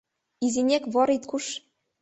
Изинек вор ит куш!